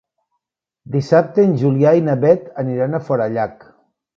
Dissabte en Julià i na Beth aniran a Forallac.